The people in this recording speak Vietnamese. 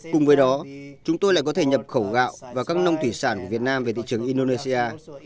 cùng với đó chúng tôi lại có thể nhập khẩu gạo và các nông thủy sản của việt nam về thị trường indonesia